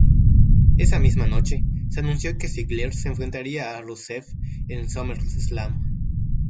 Esa misma noche, se anunció que Ziggler se enfrentaría a Rusev en "SummerSlam".